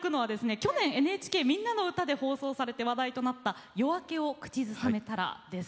去年「ＮＨＫみんなのうた」で放送されて話題となった「夜明けをくちずさめたら」です。